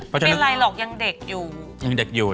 เป็นไรหรอกยังเด็กอยู่